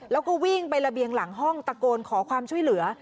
แล้วก็วิ่งไประเบียงหลังห้องตะโกนขอความช่วยเหลือ